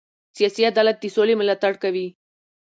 سیاسي عدالت د سولې ملاتړ کوي